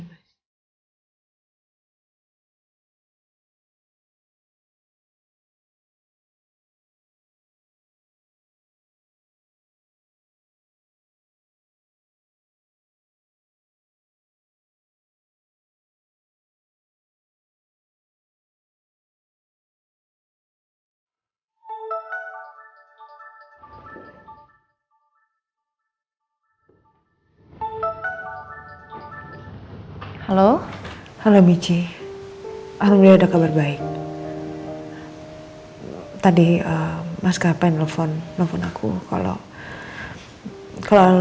halo halo halo michi alhamdulillah ada kabar baik tadi mas kapan telepon telepon aku kalau kalau lo